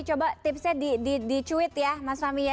coba tipsnya di tweet ya mas fahmi ya